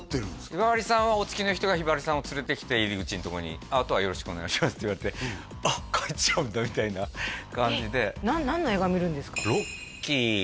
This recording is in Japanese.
ひばりさんはお付きの人がひばりさんを連れてきて入り口のとこに「あとはよろしくお願いします」って言われて「あっ帰っちゃうんだ」みたいな感じで何の映画見るんですか？